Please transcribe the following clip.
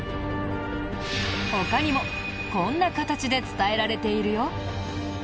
他にもこんな形で伝えられているよ。